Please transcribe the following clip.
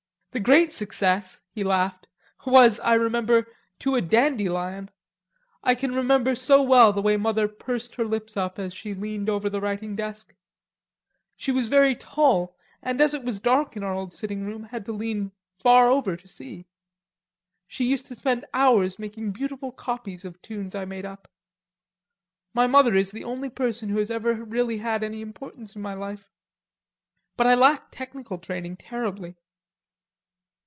The great success," he laughed, "was, I remember, to a dandelion.... I can remember so well the way Mother pursed up her lips as she leaned over the writing desk.... She was very tall, and as it was dark in our old sitting room, had to lean far over to see.... She used to spend hours making beautiful copies of tunes I made up. My mother is the only person who has ever really had any importance in my life.... But I lack technical training terribly."